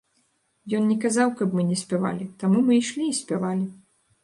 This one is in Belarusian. Ён не казаў, каб мы не спявалі, таму мы ішлі і спявалі.